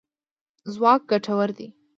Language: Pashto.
ځواک ګټور دی.